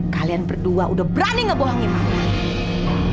kalian berdua udah berani ngebohongin mama